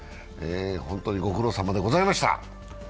本当に御苦労さまでございました。